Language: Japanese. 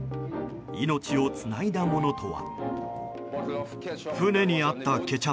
命をつないだものとは。